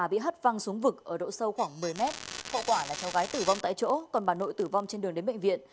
bị hất văng xuống vực ở độ sâu khoảng một mươi m hậu quả là cháu gái tử vong tại chỗ còn bà nội tử vong trên đường đến bệnh viện